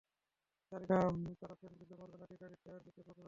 জানি না, তারা ফ্যানে ঝুলে মরবে, নাকি গাড়ির টায়ারের নিচে পড়বে!